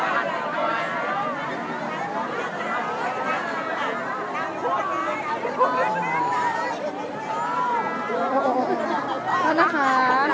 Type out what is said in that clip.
และที่อยู่ด้านหลังคุณยิ่งรักนะคะก็คือนางสาวคัตยาสวัสดีผลนะคะ